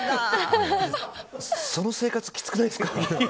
その生活きつくないですか？